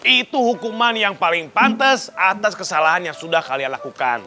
itu hukuman yang paling pantas atas kesalahan yang sudah kalian lakukan